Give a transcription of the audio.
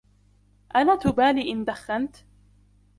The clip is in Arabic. ألا تبالي إن دخنت؟